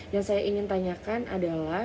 yang saya ingin tanyakan adalah